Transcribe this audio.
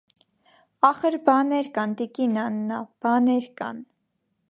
ախր բանե՜ր կան, տիկին Աննա, բանե՜ր կան…